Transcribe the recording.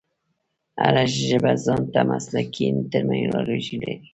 هره ژبه ځان ته مسلکښي ټرمینالوژي لري.